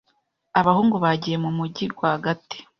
"Abahungu bagiye mu mujyi rwagati."